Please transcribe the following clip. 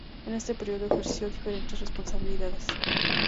En este periodo ejerció diferentes responsabilidades.